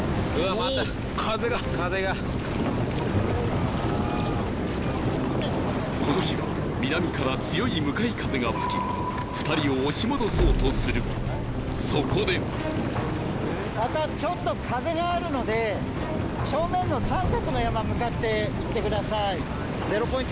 またお風がこの日は南から強い向かい風が吹き２人を押し戻そうとするそこでまたちょっと風があるので行ってください